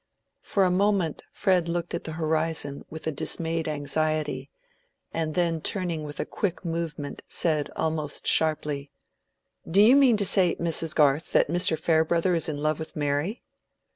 For a moment Fred looked at the horizon with a dismayed anxiety, and then turning with a quick movement said almost sharply— "Do you mean to say, Mrs. Garth, that Mr. Farebrother is in love with Mary?"